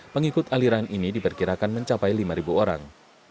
pengikut aliran ini diperkirakan mencapai lima orang